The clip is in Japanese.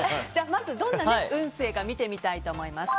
まず、どんな運勢か見てみたいと思います。